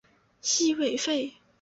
西魏废。